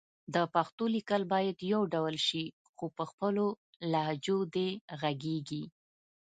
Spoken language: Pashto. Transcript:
د پښتو لیکل باید يو ډول شي خو په خپلو لهجو دې غږېږي